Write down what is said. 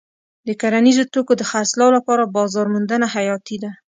د کرنیزو توکو د خرڅلاو لپاره بازار موندنه حیاتي ده.